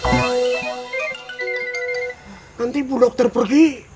nanti bu dokter pergi